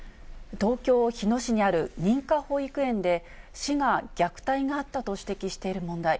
東京・日野市にある認可保育園で、市が虐待があったと指摘している問題。